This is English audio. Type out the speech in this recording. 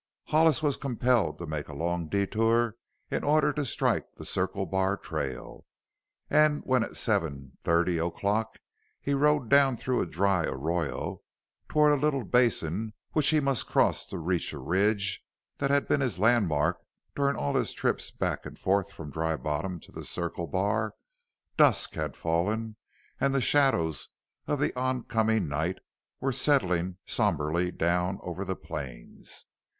Hollis was compelled to make a long detour in order to strike the Circle Bar trail, and when at seven thirty o'clock he rode down through a dry arroyo toward a little basin which he must cross to reach a ridge that had been his landmark during all his trips back and forth from Dry Bottom to the Circle Bar, dusk had fallen and the shadows of the oncoming night were settling somberly down over the plains.